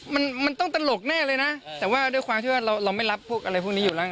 มันมันต้องตลกแน่เลยนะแต่ว่าด้วยความที่ว่าเราเราไม่รับพวกอะไรพวกนี้อยู่แล้วไง